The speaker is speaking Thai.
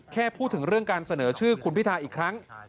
แค่พูดถึงเรื่องการเสนอชื่อคุณพิทาอีกครั้ง